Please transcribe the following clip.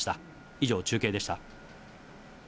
以上、中継でした。